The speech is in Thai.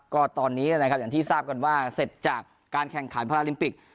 ก็ตอนนี้นะครับอย่างที่ทราบกันว่าเสร็จจากการแข่งขันพาราลิมปิก